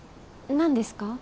何ですか？